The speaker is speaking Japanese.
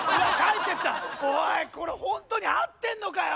おいこれホントに合ってんのかよ！